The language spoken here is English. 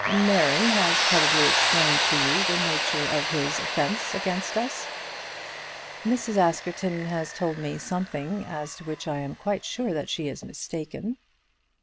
Mary has probably explained to you the nature of his offence against us?" "Mrs. Askerton has told me something as to which I am quite sure that she is mistaken."